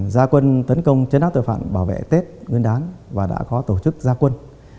gia quân tấn công chấn áp tội phạm bảo vệ tết nguyên đán và đã có tổ chức gia quân